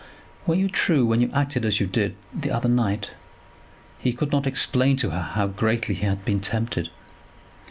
"Were you true when you acted as you did the other night?" He could not explain to her how greatly he had been tempted.